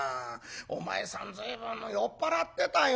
お前さん随分酔っ払ってたよ。